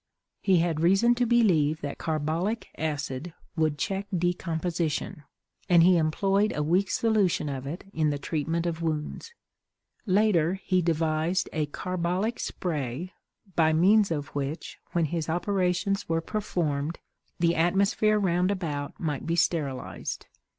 He had reason to believe that carbolic acid would check decomposition, and he employed a weak solution of it in the treatment of wounds; later he devised a "carbolic spray," by means of which when his operations were performed the atmosphere round about might be sterilized.